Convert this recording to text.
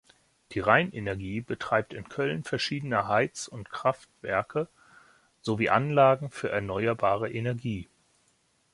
Die Rheinenergie betreibt in Köln verschiedene Heiz- und Kraftwerke: sowie Anlagen für Erneuerbare Energie.